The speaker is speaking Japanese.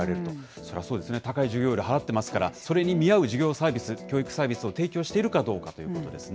それはそうですね、高い授業料、払ってますから、それに見合う授業サービス、教育サービスを提供しているかということですね。